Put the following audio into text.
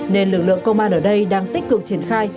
nên lực lượng công an ở đây đang tích cực triển khai